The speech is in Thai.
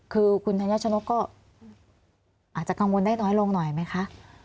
คือคุณธัญชนกก็อาจจะกังวลได้น้อยลงหน่อยไหมคะ